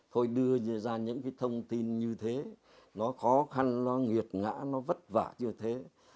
thôi đưa ra những cái thông tin như thế nó khó khăn nó nghiệt ngã nó vất vả như thế